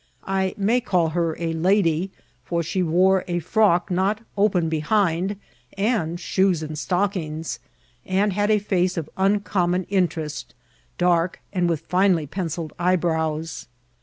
I may call ha a lady, for she wore a firock not open behind, and dices and stockings, and had a £sce of uncommon in terest, dark, and with finely pencilled eyebrows.